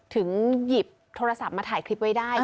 หยิบโทรศัพท์มาถ่ายคลิปไว้ได้